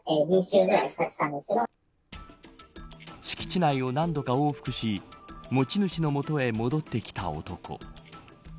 敷地内を何度か往復し持ち主の元へ戻ってきた男。